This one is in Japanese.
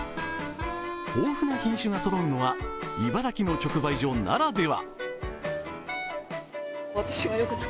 豊富な品種がそろうのは茨城の直売所ならでは。